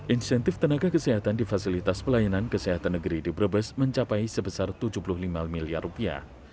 insentif tenaga kesehatan di fasilitas pelayanan kesehatan negeri di brebes mencapai sebesar tujuh puluh lima miliar rupiah